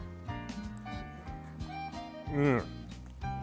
うん